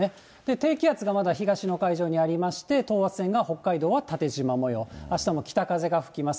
低気圧がまだ東の海上にありますので、等圧線が北海道は縦じま模様、あしたも北風が吹きます。